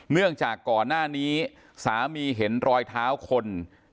เนื่องจากก่อนหน้านี้สามีเห็นรอยเท้าคน